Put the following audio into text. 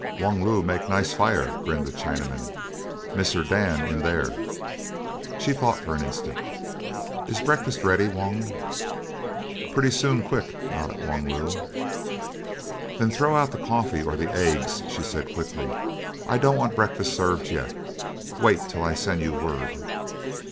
"Wung Lu make nice fire," grinned the Chinaman. "Misser Dan in there." She thought for an instant. "Is breakfast ready, Wung?" "Pretty soon quick," nodded Wung Lu. "Then throw out the coffee or the eggs," she said quickly. "I don't want breakfast served yet; wait till I send you word."